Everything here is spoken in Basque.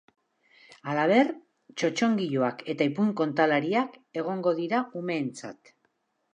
Halaber, txotxongiloak eta ipuin-kontalariak egongo dira umeetzat.